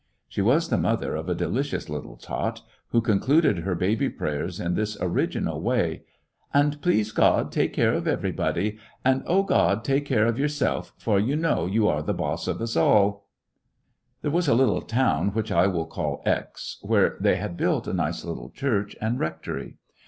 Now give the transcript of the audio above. " She was the mother of a delicious little tot who concluded her baby prayers in this origi nal way: "And please, God, take care of everybody ; and O God, take care of Your self, for You know You are the Boss of us all." Indomitable There was a little town which I will call X ^ where they had built a nice little church and rectory.